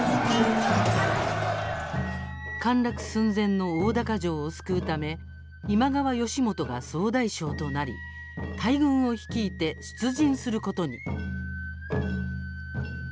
陥落寸前の大高城を救うため今川義元が総大将となり大軍を率いて出陣することに。